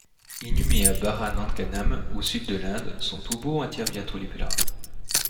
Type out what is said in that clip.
Inhumée à Bharananganam, au sud de l'Inde, son tombeau attire bientôt les pèlerins.